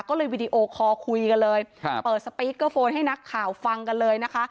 ก็เลยวีดีโอคอลคุยกันเลยเปิดสปีกเกอร์โฟนให้นักข่าวฟังกันเลยนะคะ